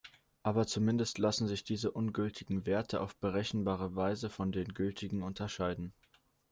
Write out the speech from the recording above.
Aber zumindest lassen sich diese ungültigen Werte auf berechenbare Weise von den gültigen unterscheiden.